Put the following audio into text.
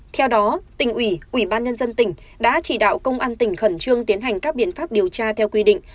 theo đó tỉnh ủy ủy ban nhân dân tỉnh đã chỉ đạo công an tỉnh khẩn trương tiến hành các biện pháp điều tra theo quy định